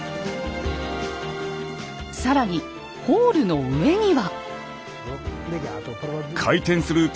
更にホールの上には。